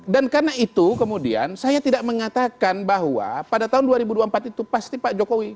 dan karena itu kemudian saya tidak mengatakan bahwa pada tahun dua ribu dua puluh empat itu pasti pak jokowi